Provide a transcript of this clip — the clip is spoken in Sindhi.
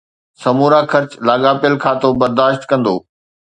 سمورا خرچ لاڳاپيل کاتو برداشت ڪندو.